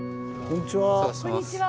こんにちは。